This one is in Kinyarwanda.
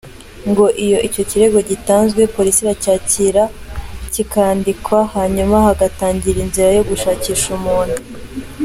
Ngo iyo icyo kirego gitanzwe, polisi iracyakira kikandikwa, hanyuma hagatangira inzira yo gushakisha umuntu.